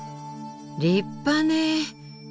立派ね。